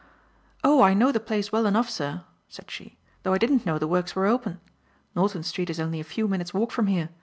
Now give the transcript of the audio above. "Oh, I know the place well enough, sir," said she, "though I didn't know the works were open. Norton Street is only a few minutes' walk from here.